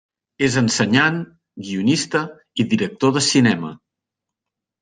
És ensenyant, guionista i director de cinema.